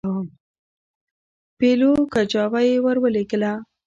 پیلو کجاوه یې ورولېږله.